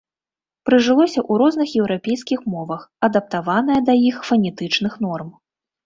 Прыжылося ў розных еўрапейскіх мовах, адаптаванае да іх фанетычных норм.